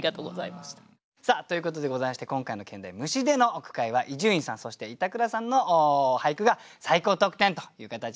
ということでございまして今回の兼題「虫」での句会は伊集院さんそして板倉さんの俳句が最高得点という形になりました。